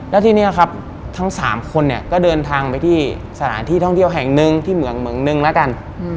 แล้วที่นี่ครับทั้ง๓คนก็เดินทางไปที่สถานที่ท่องเที่ยวแห่ง๑ที่เมืองนึงละกัน